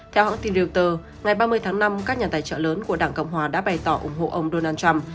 theo hãng tin reuter ngày ba mươi tháng năm các nhà tài trợ lớn của đảng cộng hòa đã bày tỏ ủng hộ ông donald trump